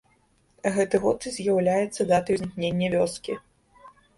Гэты год і з'яўляецца датай узнікнення вёскі.